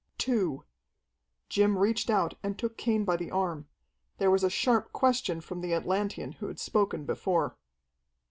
"Two!" Jim reached out and took Cain by the arm. There was a sharp question from the Atlantean who had spoken before.